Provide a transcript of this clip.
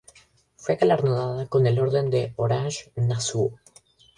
Fue galardonada con la Orden de Orange-Nassau.